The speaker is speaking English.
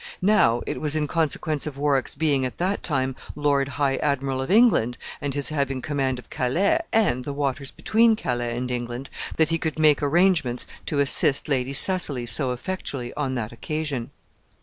Now it was in consequence of Warwick's being at that time Lord High Admiral of England, and his having command of Calais, and the waters between Calais and England, that he could make arrangements to assist Lady Cecily so effectually on that occasion.